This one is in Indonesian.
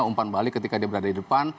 umpan balik ketika dia berada di depan